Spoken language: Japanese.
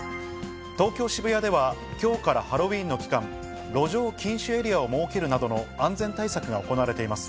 東京・渋谷では、きょうからハロウィーンの期間、路上禁酒エリアを設けるなどの安全対策が行われています。